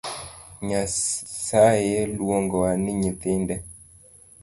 Nyasaye luongowa ni nyithinde